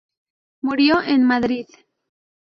Murió en Madrid.